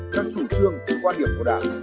các chủ trương quan điểm của đảng